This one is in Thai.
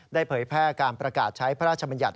เผยแพร่การประกาศใช้พระราชบัญญัติ